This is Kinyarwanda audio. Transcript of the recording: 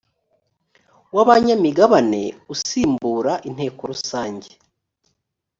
w abanyamigabne usimbura inteko rusange